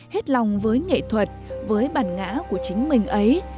hết lòng với nghệ thuật với bản ngã của chính mình ấy